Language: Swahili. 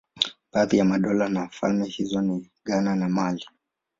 Baadhi ya madola na falme hizo ni Ghana na Mali.